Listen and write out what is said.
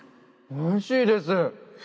おいしいです！